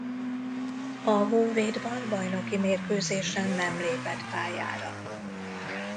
A Honvédban bajnoki mérkőzésen nem lépett pályára.